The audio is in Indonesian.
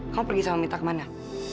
kamu pergi sama mita kemana